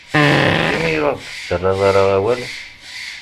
Acimi ur aɣ-d-tettarraḍ ara awal?